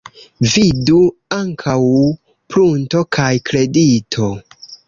Vidu ankaŭ prunto kaj kredito.